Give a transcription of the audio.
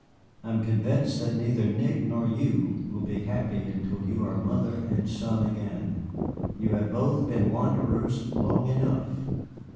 I am convinced that neither Nick nor you will be happy until you are mother and son again. You have both been wanderers long enough."